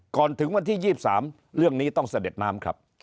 ถึงวันที่๒๓เรื่องนี้ต้องเสด็จน้ำครับ